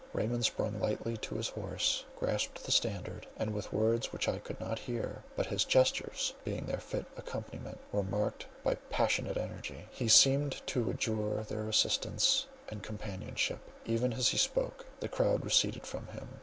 Raymond sprung lightly on his horse, grasped the standard, and with words which I could not hear (but his gestures, being their fit accompaniment, were marked by passionate energy,) he seemed to adjure their assistance and companionship; even as he spoke, the crowd receded from him.